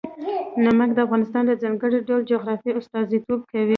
نمک د افغانستان د ځانګړي ډول جغرافیه استازیتوب کوي.